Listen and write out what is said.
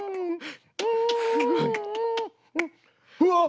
うわっ！